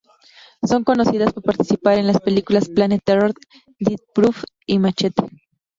Son conocidas por participar en las películas Planet Terror, Death Proof y Machete.